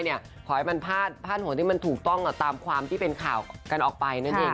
ขอให้มันพาดหัวที่มันถูกต้องตามความที่เป็นข่าวกันออกไปนั่นเอง